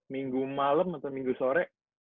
minggu malam atau minggu sore